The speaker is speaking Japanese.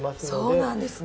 そうなんですね。